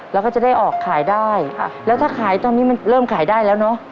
แล้วก็จะได้ออกขายได้แล้วถ้าขายตอนนี้มันเริ่มขายได้แล้วเนอะ